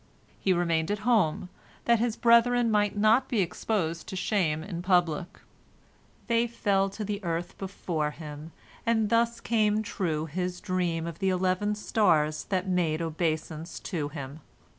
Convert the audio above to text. He remained at home, that his brethren might not be exposed to shame in public. They fell to the earth before him, and thus came true his dream of the eleven stars that made obeisance to him.